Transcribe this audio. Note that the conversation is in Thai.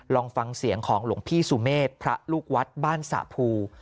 ลองฟังเสียงของหลวงพี่สุเมฆพระลูกวัดบ้านสระภู